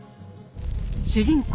主人公